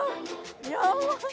やばい！